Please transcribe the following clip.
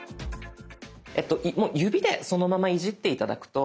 指でそのままいじって頂くと。